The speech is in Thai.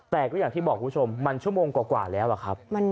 แต่ก็อย่างที่บอกคุณผู้ชมมันชั่วโมงกว่าแล้วล่ะครับ